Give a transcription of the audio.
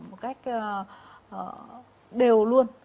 một cách đều luôn